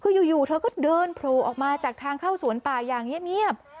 คืออยู่เธอก็เดินโผล่ออกมาจากทางเข้าสวนป่าอย่างเงียบ